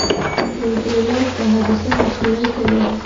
پیلوټ د حادثو مخنیوی کوي.